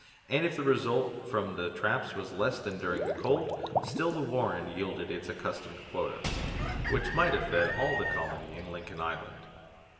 and if the result from the traps was less than during the cold, still the warren yielded its accustomed quota, which might have fed all the colony in Lincoln Island.